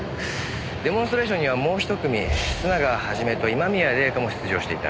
デモンストレーションにはもう一組須永肇と今宮礼夏も出場していた。